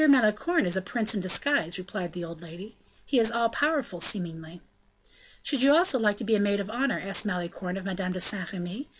Malicorne is a prince in disguise," replied the old lady, "he is all powerful, seemingly." "Should you also like to be a maid of honor?" asked Malicorne of Madame de Saint Remy.